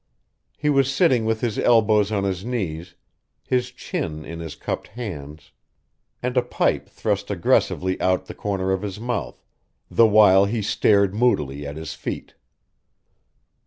He was sitting with his elbows on his knees, his chin in his cupped hands, and a pipe thrust aggressively out the corner of his mouth, the while he stared moodily at his feet.